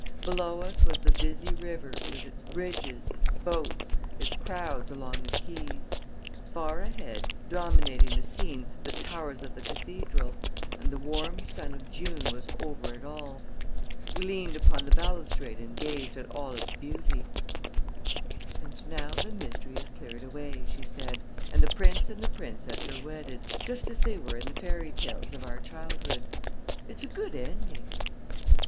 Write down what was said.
Below us was the busy river, with its bridges, its boats, its crowds along the quays; far ahead, dominating the scene, the towers of the cathedral; and the warm sun of June was over it all. We leaned upon the balustrade and gazed at all this beauty. "And now the mystery is cleared away," she said, "and the prince and the princess are wedded, just as they were in the fairy tales of our childhood. It's a good ending."